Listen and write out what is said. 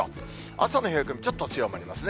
朝の冷え込み、ちょっと強まりますね。